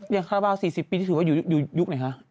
อย่างข้าระบาล๔๐ปีถือว่าอยู่ยุคไหนคะ